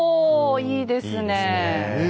いいですねえ。